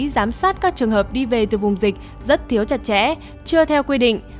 giám sát các trường hợp đi về từ vùng dịch rất thiếu chặt chẽ chưa theo quy định